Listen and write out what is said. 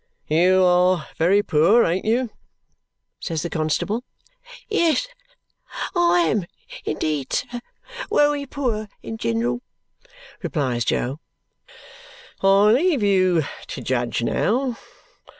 "You are very poor, ain't you?" says the constable. "Yes, I am indeed, sir, wery poor in gin'ral," replies Jo. "I leave you to judge now!